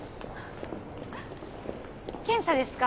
検査ですか？